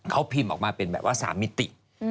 เขาพิมพ์ออกมาเป็นแบบว่า๓มิติ